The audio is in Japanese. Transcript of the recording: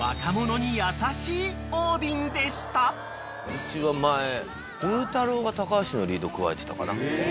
うちは前ブー太郎が高橋のリードくわえてたかな。